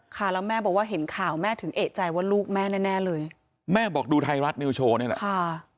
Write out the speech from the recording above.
ค่ะแล้วแม่บอกว่าเห็นข่าวแม่ถึงเอกใจว่าลูกแม่แน่แน่เลยแม่บอกดูไทยรัฐนิวโชว์นี่แหละค่ะ